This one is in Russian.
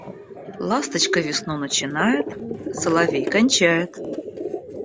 Ласточка весну начинает, соловей кончает.